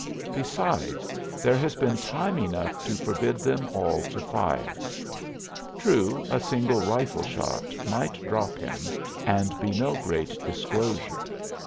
Besides, there has been time enough to forbid them all to fire. True, a single rifle shot might drop him and be no great disclosure.